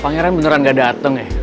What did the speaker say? pangeran beneran gak datang ya